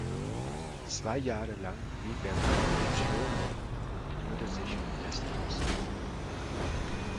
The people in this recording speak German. Zwei Jahre lang blieb er bei Giono und kümmerte sich um dessen Haushalt.